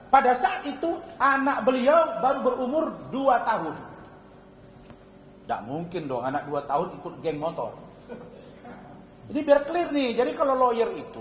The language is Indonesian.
pada saat itu anak beliau baru berumur dua tahun ndak mungkin dong anak dua tahun ikut geng motor